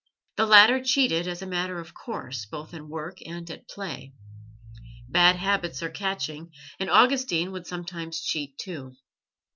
The latter cheated as a matter of course, both in work and at play. Bad habits are catching, and Augustine would sometimes cheat too.